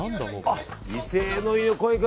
あ、威勢のいい声が。